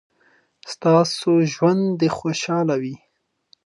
ستاسو ژوند دې خوشحاله وي.